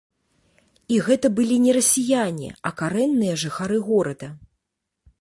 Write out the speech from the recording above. І гэта былі не расіяне, а карэнныя жыхары горада.